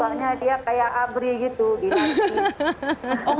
bukannya dia kayak abri gitu di aceh